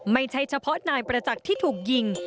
ไม่ใช่เฉพาะนายประจักษ์ที่ถูกยิง